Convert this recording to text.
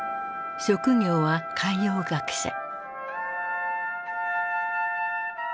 職業は海洋学者。